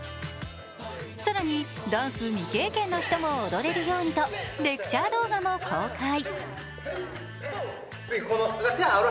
更にダンス未経験の人も踊れるようにとレクチャー動画も公開。